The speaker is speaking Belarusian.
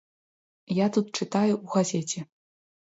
Я тут чытаю ў газеце.